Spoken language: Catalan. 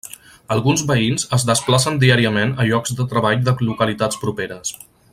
Alguns veïns es desplacen diàriament a llocs de treball de localitats properes.